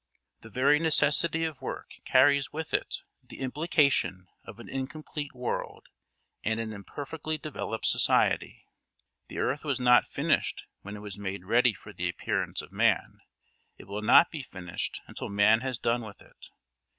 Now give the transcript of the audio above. The very necessity of work carries with it the implication of an incomplete world and an imperfectly developed society. The earth was not finished when it was made ready for the appearance of man; it will not be finished until man has done with it.